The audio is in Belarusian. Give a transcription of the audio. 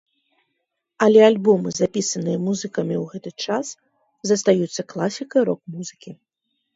Але альбомы, запісаныя музыкамі ў гэты час, застаюцца класікай рок-музыкі.